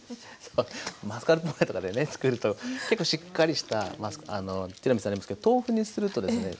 マスカルポーネとかでね作ると結構しっかりしたティラミスになりますけど豆腐にするとですね